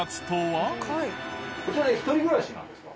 こちらで一人暮らしなんですか？